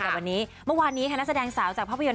เมื่อวานนี้นักแสดงสาวจากภาพยนตร์